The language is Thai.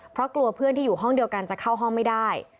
เพราะกลัวเพื่อนที่อยู่ห้องเดียวกันจะเข้าห้องไม่ได้